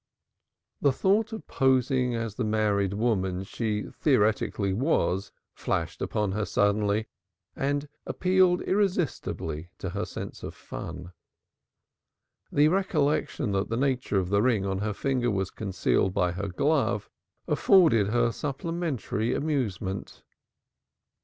The thought of posing as the married woman she theoretically was, flashed upon her suddenly and appealed irresistibly to her sense of fun. The recollection that the nature of the ring on her finger was concealed by her glove afforded her supplementary amusement.